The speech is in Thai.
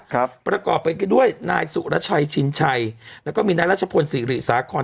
ครับปรากฏไปด้วยนายสุรชัยชินชัยแล้วก็มีนายราชปนสิกฤษคอร์น